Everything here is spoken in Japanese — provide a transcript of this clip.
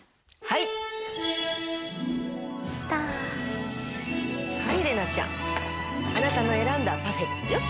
はい麗奈ちゃんあなたの選んだパフェですよ。